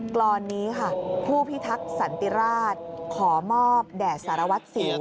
กรอนนี้ค่ะผู้พิทักษ์สันติราชขอมอบแด่สารวัตรสิว